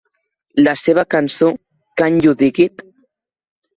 La seva cançó Can You Dig It?